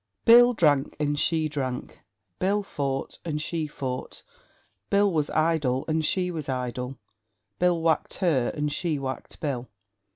Bill drank and she drank; Bill fought and she fought; Bill was idle and she was idle; Bill whacked her and she whacked Bill.